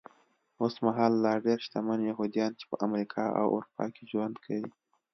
اوسمهال لا ډېر شتمن یهوديان چې په امریکا او اروپا کې ژوند کوي.